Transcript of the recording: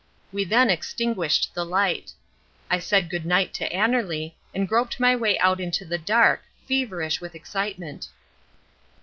We then extinguished the light. I said "Good night" to Annerly, and groped my way out into the dark, feverish with excitement.